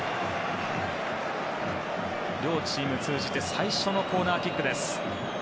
両チーム通じて最初のコーナーキックです。